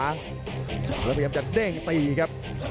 แล้วพยายามจะเด้งตีครับ